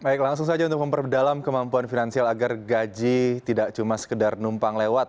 baik langsung saja untuk memperdalam kemampuan finansial agar gaji tidak cuma sekedar numpang lewat